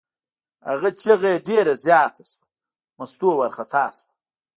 هغه چغه یې ډېره زیاته شوه، مستو وارخطا شوه.